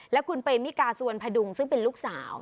และคุณเปมิกาสวนพดุงซึ่งเป็นลูกสาว